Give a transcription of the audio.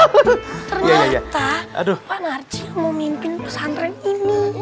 ternyata pak narci yang mau mimpin pesantren ini